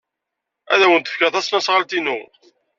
Ad awent-fkeɣ tasnasɣalt-inu.